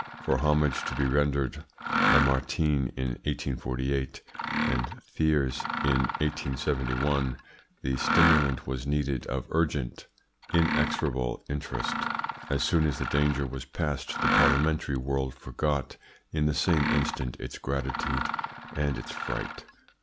For homage to be rendered Lamartine in 1848 and Thiers in 1871, the stimulant was needed of urgent, inexorable interest. As soon as the danger was passed the parliamentary world forgot in the same instant its gratitude and its fright."